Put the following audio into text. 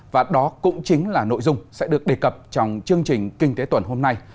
và đó cũng chính là nội dung sẽ được đề cập trong chương trình kinh tế tuần hôm nay